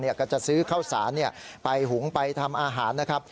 ก็จะซื้อข้าวสารไปหุงไปทำอาหารนะครับ